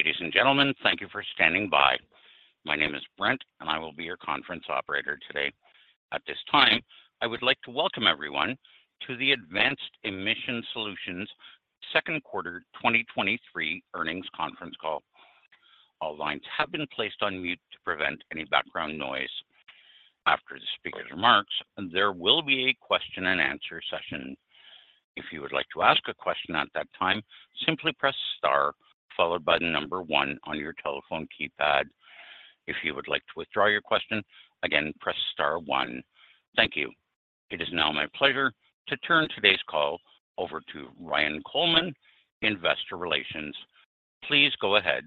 Ladies and gentlemen, thank you for standing by. My name is Brent, and I will be your conference operator today. At this time, I would like to welcome everyone to the Advanced Emission Solutions second quarter 2023 earnings conference call. All lines have been placed on mute to prevent any background noise. After the speaker's remarks, there will be a Q&A session. If you would like to ask a question at that time, simply press star followed by 1 on your telephone keypad. If you would like to withdraw your question, again, press star 1. Thank you. It is now my pleasure to turn today's call over to Ryan Coleman, Investor Relations. Please go ahead.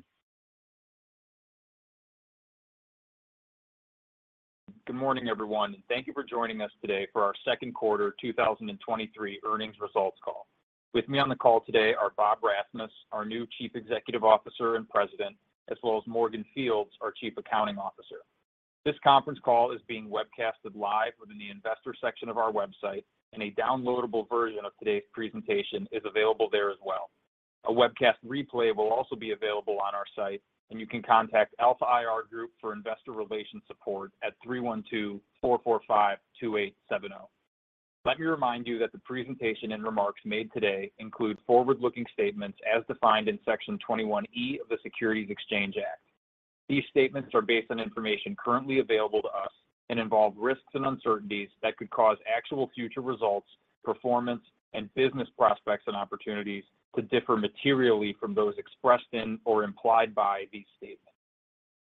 Good morning, everyone. Thank you for joining us today for our second quarter 2023 earnings results call. With me on the call today are Bob Rasmus, our new Chief Executive Officer and President, as well as Morgan Fields, our Chief Accounting Officer. This conference call is being webcasted live within the Investor section of our website. A downloadable version of today's presentation is available there as well. A webcast replay will also be available on our site. You can contact Alpha IR Group for Investor Relations support at 312-445-2870. Let me remind you that the presentation and remarks made today include forward-looking statements as defined in Section 21E of the Securities Exchange Act. These statements are based on information currently available to us and involve risks and uncertainties that could cause actual future results, performance, and business prospects and opportunities to differ materially from those expressed in or implied by these statements.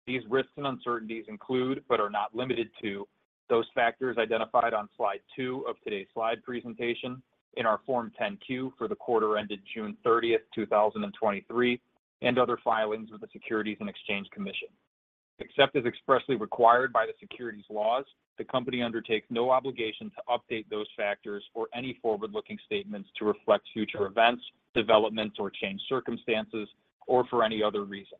These risks and uncertainties include but are not limited to those factors identified on slide 2 of today's slide presentation in our Form 10-Q for the quarter ended 30 June 2023, and other filings with the Securities and Exchange Commission. Except as expressly required by the securities laws, the company undertakes no obligation to update those factors or any forward-looking statements to reflect future events, developments, or changed circumstances, or for any other reason.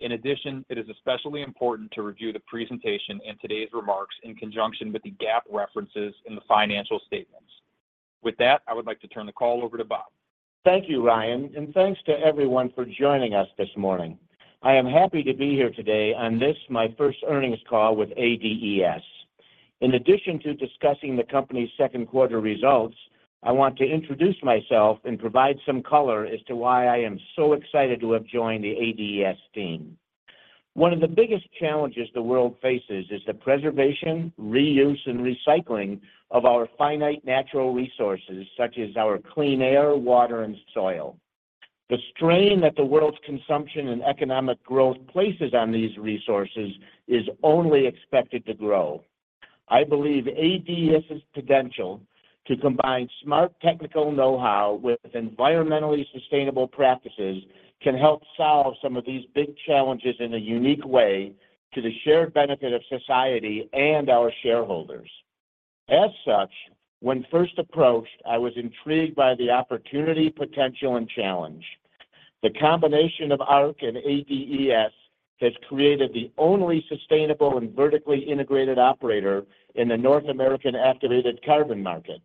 In addition, it is especially important to review the presentation and today's remarks in conjunction with the GAAP references in the financial statements. With that, I would like to turn the call over to Bob. Thank you, Ryan, and thanks to everyone for joining us this morning. I am happy to be here today on this, my first earnings call with ADES. In addition to discussing the company's second quarter results, I want to introduce myself and provide some color as to why I am so excited to have joined the ADES team. One of the biggest challenges the world faces is the preservation, reuse, and recycling of our finite natural resources such as our clean air, water, and soil. The strain that the world's consumption and economic growth places on these resources is only expected to grow. I believe ADES's potential to combine smart technical know how with environmentally sustainable practices can help solve some of these big challenges in a unique way to the shared benefit of society and our shareholders. As such, when first approached, I was intrigued by the opportunity, potential, and challenge. The combination of Arq and ADES has created the only sustainable and vertically integrated operator in the North American activated carbon market.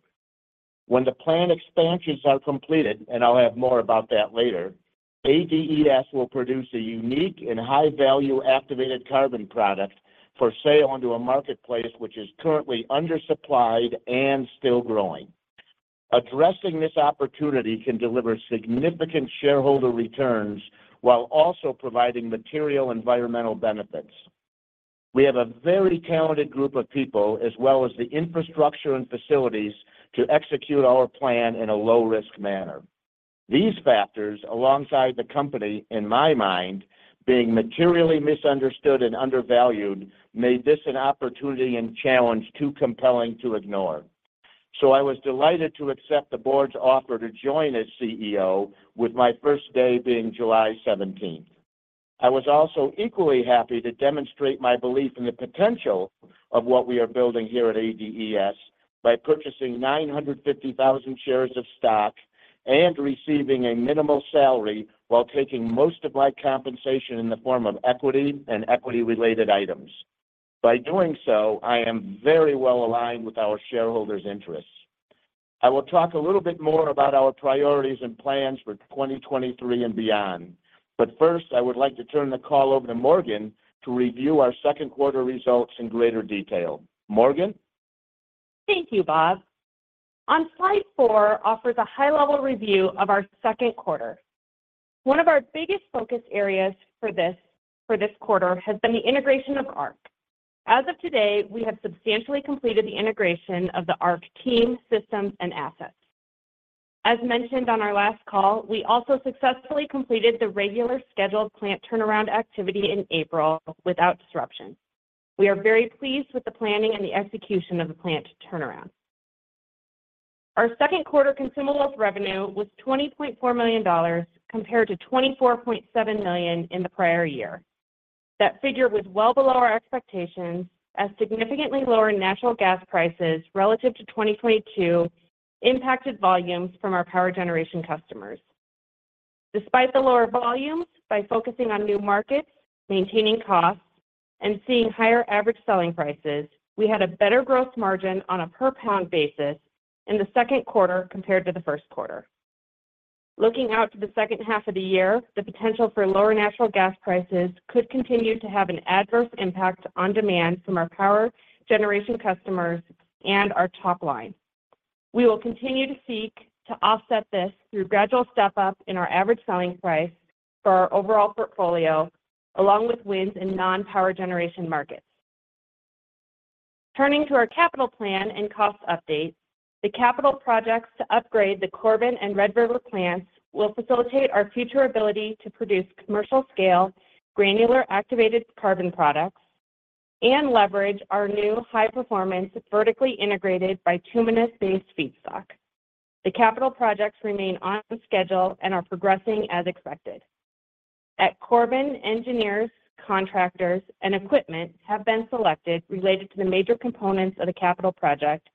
When the planned expansions are completed, and I'll have more about that later, ADES will produce a unique and high-value activated carbon product for sale into a marketplace which is currently undersupplied and still growing. Addressing this opportunity can deliver significant shareholder returns while also providing material environmental benefits. We have a very talented group of people as well as the infrastructure and facilities to execute our plan in a low-risk manner. These factors, alongside the company, in my mind, being materially misunderstood and undervalued, made this an opportunity and challenge too compelling to ignore. I was delighted to accept the board's offer to join as CEO, with my first day being July 17th. I was also equally happy to demonstrate my belief in the potential of what we are building here at ADES by purchasing 950,000 shares of stock and receiving a minimal salary while taking most of my compensation in the form of equity and equity-related items. By doing so, I am very well aligned with our shareholders' interests. I will talk a little bit more about our priorities and plans for 2023 and beyond, first I would like to turn the call over to Morgan to review our second quarter results in greater detail. Morgan? Thank you, Bob. On slide 4 offers a high-level review of our second quarter. One of our biggest focus areas for this quarter has been the integration of Arq. As of today, we have substantially completed the integration of the Arq team, systems, and assets. As mentioned on our last call, we also successfully completed the regular scheduled plant turnaround activity in April without disruption. We are very pleased with the planning and the execution of the plant turnaround. Our second quarter consumables revenue was $20.4 million compared to $24.7 million in the prior year. That figure was well below our expectations, as significantly lower natural gas prices relative to 2022 impacted volumes from our power generation customers. Despite the lower volumes, by focusing on new markets, maintaining costs, and seeing higher average selling prices, we had a better gross margin on a per-pound basis in the second quarter compared to the first quarter. Looking out to the second half of the year, the potential for lower natural gas prices could continue to have an adverse impact on demand from our power generation customers and our top line. We will continue to seek to offset this through gradual step-up in our average selling price for our overall portfolio, along with wins in non-power generation markets. Turning to our capital plan and cost update, the capital projects to upgrade the Corbin and Red River plants will facilitate our future ability to produce commercial scale granular activated carbon products and leverage our new high-performance, vertically integrated bituminous-based feedstock. The capital projects remain on schedule and are progressing as expected. At Corbin, engineers, contractors, and equipment have been selected related to the major components of the capital project,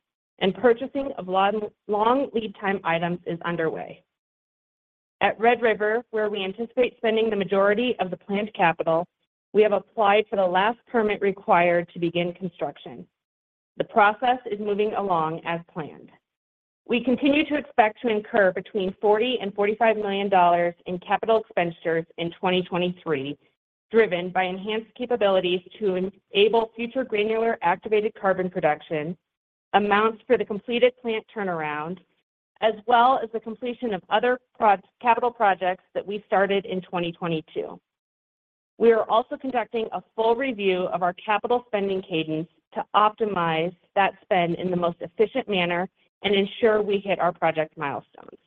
purchasing of long lead-time items is underway. At Red River, where we anticipate spending the majority of the planned capital, we have applied for the last permit required to begin construction. The process is moving along as planned. We continue to expect to incur between $40 million-$45 million in capital expenditures in 2023, driven by enhanced capabilities to enable future granular activated carbon production, amounts for the completed plant turnaround, as well as the completion of other capital projects that we started in 2022. We are also conducting a full review of our capital spending cadence to optimize that spend in the most efficient manner and ensure we hit our project milestones.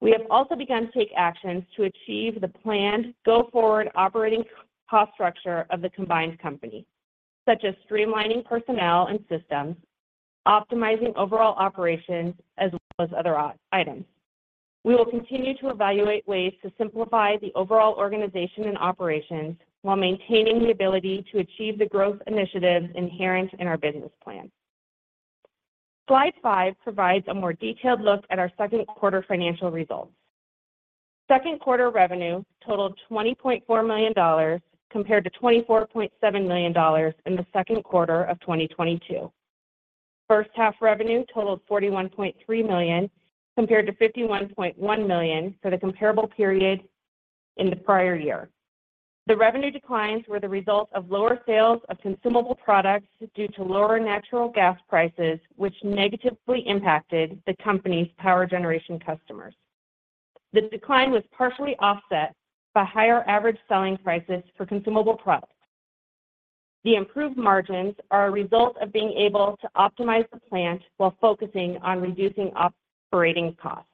We have also begun to take actions to achieve the planned go-forward operating cost structure of the combined company, such as streamlining personnel and systems, optimizing overall operations, as well as other items. We will continue to evaluate ways to simplify the overall organization and operations while maintaining the ability to achieve the growth initiatives inherent in our business plan. Slide 5 provides a more detailed look at our second quarter financial results. Second quarter revenue totaled $20.4 million compared to $24.7 million in the second quarter of 2022. First half revenue totaled $41.3 million compared to $51.1 million for the comparable period in the prior year. The revenue declines were the result of lower sales of consumable products due to lower natural gas prices, which negatively impacted the company's power generation customers. The decline was partially offset by higher average selling prices for consumable products. The improved margins are a result of being able to optimize the plant while focusing on reducing operating costs.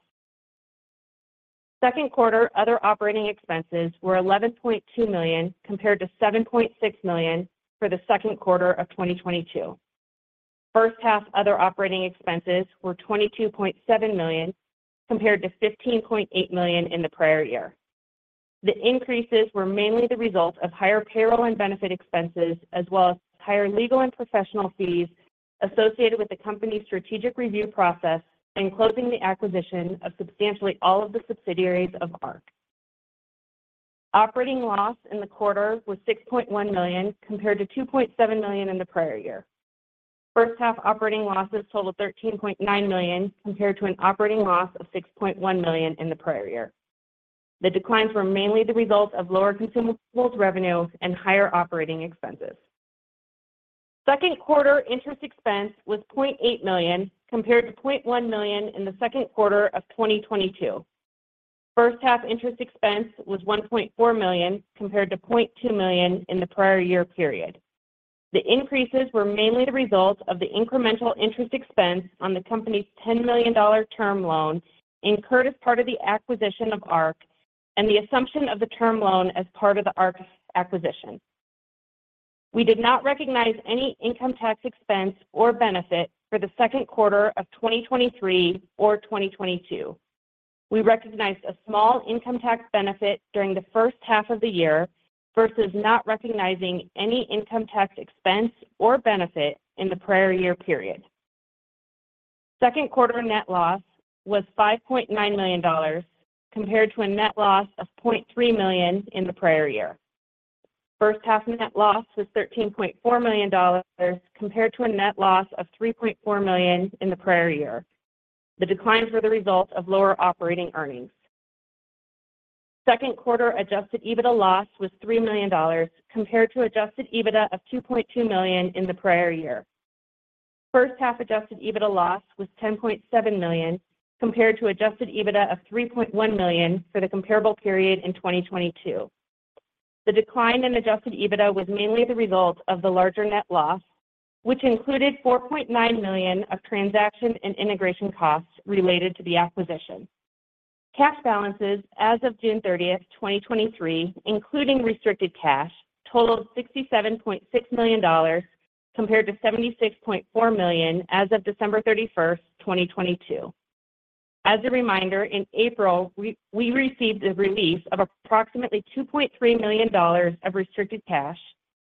Second quarter other operating expenses were $11.2 million compared to $7.6 million for the second quarter of 2022. First half other operating expenses were $22.7 million compared to $15.8 million in the prior year. The increases were mainly the result of higher payroll and benefit expenses, as well as higher legal and professional fees associated with the company's strategic review process and closing the acquisition of substantially all of the subsidiaries of Arq. Operating loss in the quarter was $6.1 million compared to $2.7 million in the prior year. First half operating losses totaled $13.9 million compared to an operating loss of $6.1 million in the prior year. The declines were mainly the result of lower consumables revenue and higher operating expenses. Second quarter interest expense was $0.8 million compared to $0.1 million in the second quarter of 2022. First half interest expense was $1.4 million compared to $0.2 million in the prior year period. The increases were mainly the result of the incremental interest expense on the company's $10 million term loan incurred as part of the acquisition of Arq and the assumption of the term loan as part of the Arq acquisition. We did not recognize any income tax expense or benefit for the second quarter of 2023 or 2022. We recognized a small income tax benefit during the first half of the year versus not recognizing any income tax expense or benefit in the prior year period. Second quarter net loss was $5.9 million compared to a net loss of $0.3 million in the prior year. First half net loss was $13.4 million compared to a net loss of $3.4 million in the prior year. The declines were the result of lower operating earnings. Second quarter adjusted EBITDA loss was $3 million compared to adjusted EBITDA of $2.2 million in the prior year. First half adjusted EBITDA loss was $10.7 million compared to adjusted EBITDA of $3.1 million for the comparable period in 2022. The decline in adjusted EBITDA was mainly the result of the larger net loss, which included $4.9 million of transaction and integration costs related to the acquisition. Cash balances as of June 30th, 2023, including restricted cash, totaled $67.6 million compared to $76.4 million as of December 31st, 2022. As a reminder, in April, we received the release of approximately $2.3 million of restricted cash,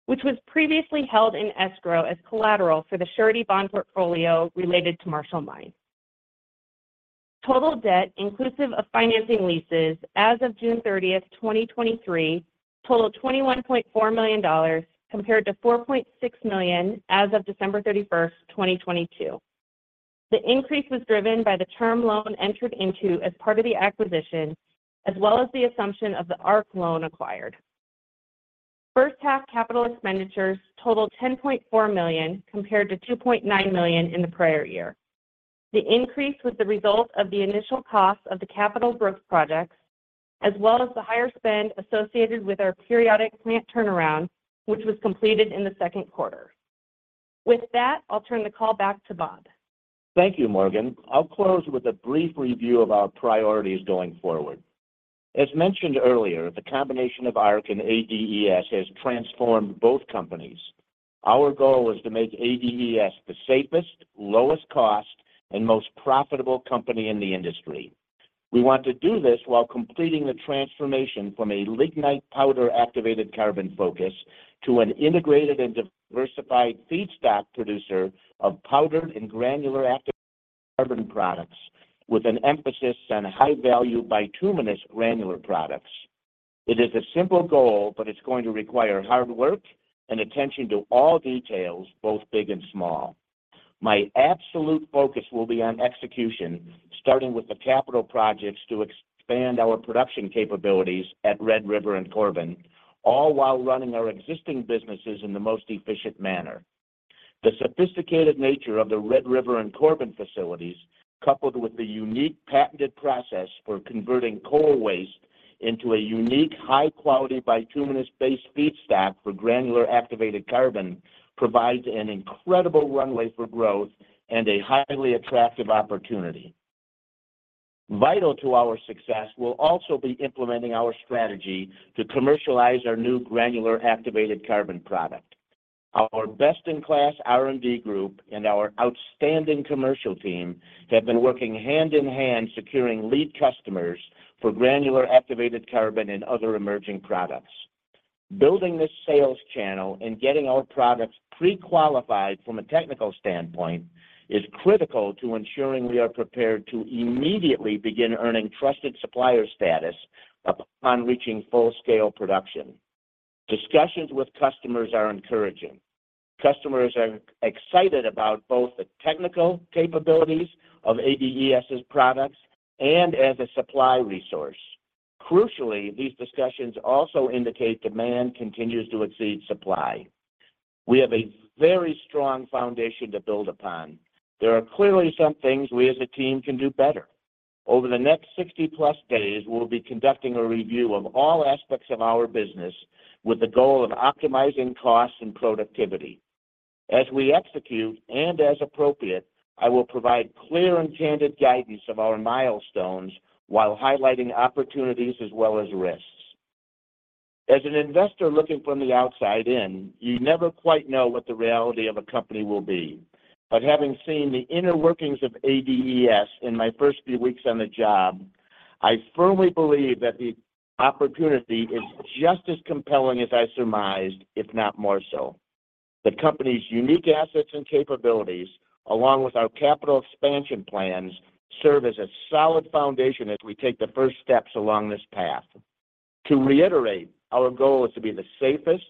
which was previously held in escrow as collateral for the surety bond portfolio related to Marshall Mines. Total debt inclusive of financing leases as of June 30th, 2023, totaled $21.4 million compared to $4.6 million as of December 31st, 2022. The increase was driven by the term loan entered into as part of the acquisition, as well as the assumption of the Arq loan acquired. First half capital expenditures totaled $10.4 million compared to $2.9 million in the prior year. The increase was the result of the initial costs of the capital growth projects, as well as the higher spend associated with our periodic plant turnaround, which was completed in the second quarter. With that, I'll turn the call back to Bob. Thank you, Morgan. I'll close with a brief review of our priorities going forward. As mentioned earlier, the combination of Arq and ADES has transformed both companies. Our goal was to make ADES the safest, lowest cost, and most profitable company in the industry. We want to do this while completing the transformation from a lignite powdered activated carbon focus to an integrated and diversified feedstock producer of powdered and granular activated carbon products with an emphasis on high-value bituminous granular products. It is a simple goal, but it's going to require hard work and attention to all details, both big and small. My absolute focus will be on execution, starting with the capital projects to expand our production capabilities at Red River and Corbin, all while running our existing businesses in the most efficient manner. The sophisticated nature of the Red River and Corbin facilities, coupled with the unique patented process for converting coal waste into a unique, high-quality bituminous-based feedstock for granular activated carbon, provides an incredible runway for growth and a highly attractive opportunity. Vital to our success will also be implementing our strategy to commercialize our new granular activated carbon product. Our best in class R&D group and our outstanding commercial team have been working hand in hand securing lead customers for granular activated carbon and other emerging products. Building this sales channel and getting our products pre-qualified from a technical standpoint is critical to ensuring we are prepared to immediately begin earning trusted supplier status upon reaching full scale production. Discussions with customers are encouraging. Customers are excited about both the technical capabilities of ADES's products and as a supply resource. Crucially, these discussions also indicate demand continues to exceed supply. We have a very strong foundation to build upon. There are clearly some things we, as a team, can do better. Over the next 60-plus days, we'll be conducting a review of all aspects of our business with the goal of optimizing costs and productivity. As we execute and as appropriate, I will provide clear and candid guidance of our milestones while highlighting opportunities as well as risks. As an investor looking from the outside in, you never quite know what the reality of a company will be. Having seen the inner workings of ADES in my first few weeks on the job, I firmly believe that the opportunity is just as compelling as I surmised, if not more so. The company's unique assets and capabilities, along with our capital expansion plans, serve as a solid foundation as we take the first steps along this path. To reiterate, our goal is to be the safest,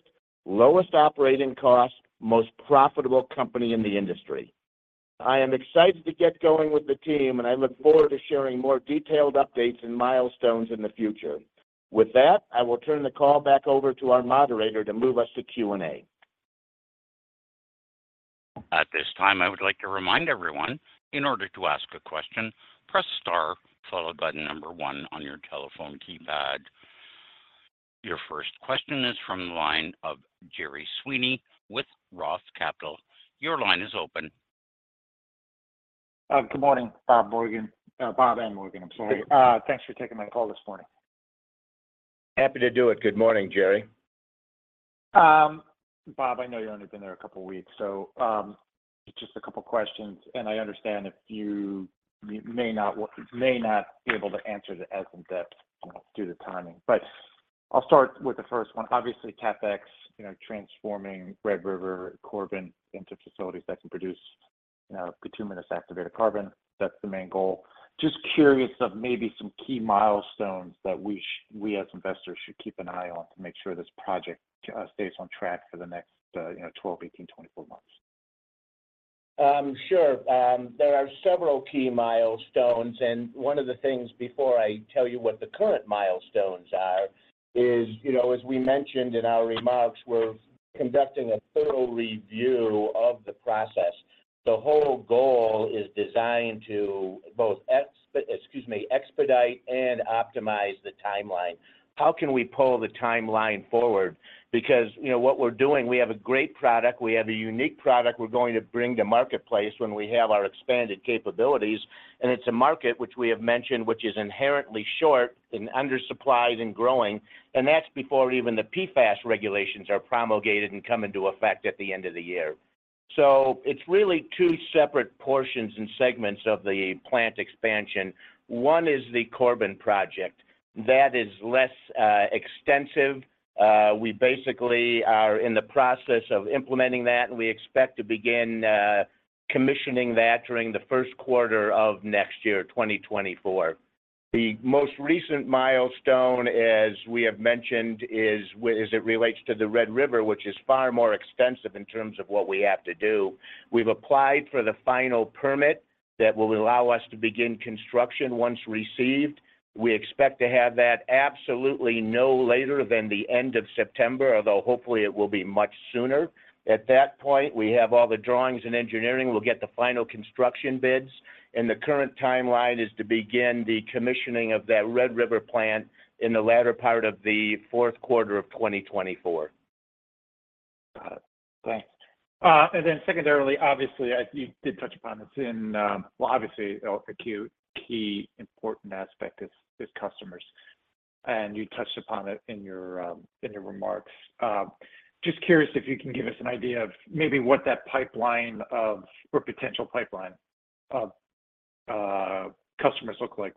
lowest operating cost, most profitable company in the industry. I am excited to get going with the team, and I look forward to sharing more detailed updates and milestones in the future. With that, I will turn the call back over to our moderator to move us to Q&A. At this time, I would like to remind everyone, in order to ask a question, press * followed by the 1 on your telephone keypad. Your first question is from the line of Gerry Sweeney with Roth Capital. Your line is open. Good morning, Bob Morgan. Bob and Morgan, I'm sorry. Thanks for taking my call this morning. Happy to do it. Good morning, Gerry. Bob, I know you've only been there a couple of weeks, so just a couple of questions. I understand if you may not be able to answer it as in-depth due to timing. I'll start with the first one. Obviously, CapEx transforming Red River and Corbin into facilities that can produce bituminous activated carbon, that's the main goal. Just curious of maybe some key milestones that we, as investors, should keep an eye on to make sure this project stays on track for the next 12, 18, 24 months. Sure. There are several key milestones. One of the things before I tell you what the current milestones are is, as we mentioned in our remarks, we're conducting a thorough review of the process. The whole goal is designed to both expedite and optimize the timeline. How can we pull the timeline forward? Because what we're doing, we have a great product. We have a unique product we're going to bring to marketplace when we have our expanded capabilities. It's a market, which we have mentioned, which is inherently short and undersupplied and growing. That's before even the PFAS regulations are promulgated and come into effect at the end of the year. It's really two separate portions and segments of the plant expansion. One is the Corbin Project. That is less extensive. We basically are in the process of implementing that, and we expect to begin commissioning that during the first quarter of next year, 2024. The most recent milestone, as we have mentioned, is as it relates to the Red River, which is far more extensive in terms of what we have to do. We've applied for the final permit that will allow us to begin construction once received. We expect to have that absolutely no later than the end of September, although hopefully it will be much sooner. At that point, we have all the drawings and engineering. We'll get the final construction bids. The current timeline is to begin the commissioning of that Red River plant in the latter part of the fourth quarter of 2024. Got it. Thanks. And then secondarily, obviously, you did touch upon this in well, obviously, a key, important aspect is customers. You touched upon it in your remarks. Just curious if you can give us an idea of maybe what that pipeline of or potential pipeline of customers look like.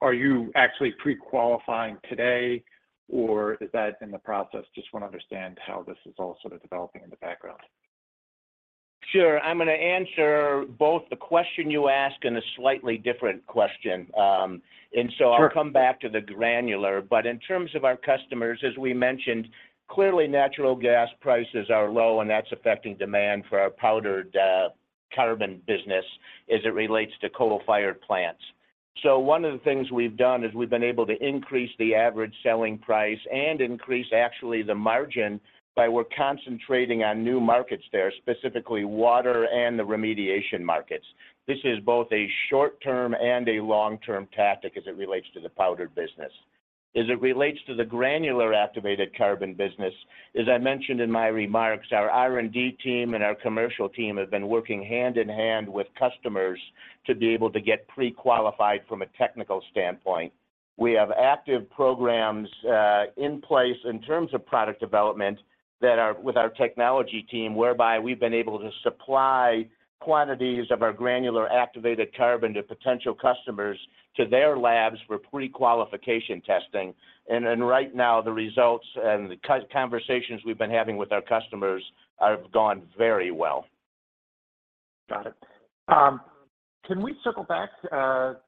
Are you actually pre-qualifying today, or is that in the process? just want to understand how this is all sort of developing in the background. Sure. I'm going to answer both the question you ask and a slightly different question. I'll come back to the granular. In terms of our customers, as we mentioned, clearly natural gas prices are low, and that's affecting demand for our powdered carbon business as it relates to coal-fired plants. One of the things we've done is we've been able to increase the average selling price and increase actually the margin by concentrating on new markets there, specifically water and the remediation markets. This is both a short-term and a long-term tactic as it relates to the powdered business. As it relates to the granular activated carbon business, as I mentioned in my remarks, our R&D team and our commercial team have been working hand in hand with customers to be able to get pre qualified from a technical standpoint. We have active programs in place in terms of product development with our technology team whereby we've been able to supply quantities of our granular activated carbon to potential customers to their labs for pre qualification testing. Right now, the results and the conversations we've been having with our customers have gone very well. Got it. Can we circle back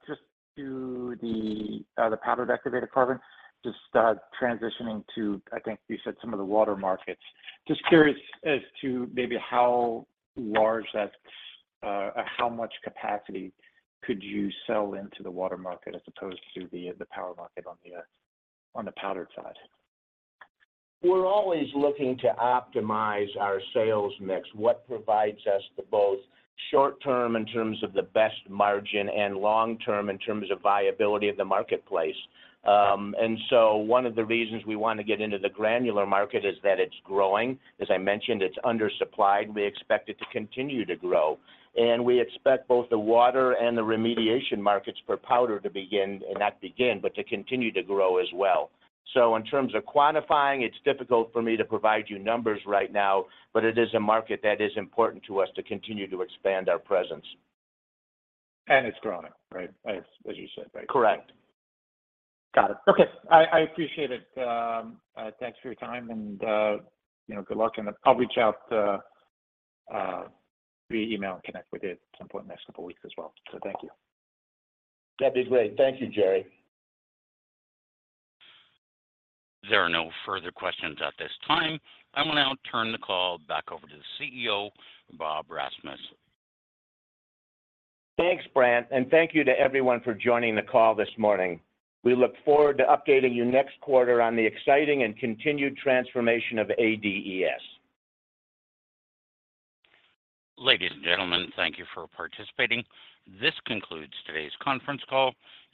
just to the powdered activated carbon, just transitioning to, I think you said, some of the water markets? just curious as to maybe how large that how much capacity could you sell into the water market as opposed to the power market on the powdered side? We're always looking to optimize our sales mix. What provides us the both short-term in terms of the best margin and long-term in terms of viability of the marketplace? One of the reasons we want to get into the granular market is that it's growing. As I mentioned, it's undersupplied. We expect it to continue to grow. We expect both the water and the remediation markets for powder to begin not begin, but to continue to grow as well. In terms of quantifying, it's difficult for me to provide you numbers right now, but it is a market that is important to us to continue to expand our presence. it's growing, right, as you said, right? Correct. Got it. Okay. I appreciate it. Thanks for your time, good luck. I'll reach out via email and connect with you at some point in the next 2 weeks as well. Thank you. That'd be great. Thank you, Gerry. There are no further questions at this time. I'm going to now turn the call back over to the CEO, Robert Rasmus. Thanks, Brent. Thank you to everyone for joining the call this morning. We look forward to updating you next quarter on the exciting and continued transformation of ADES. Ladies and gentlemen, thank you for participating. This concludes today's conference call.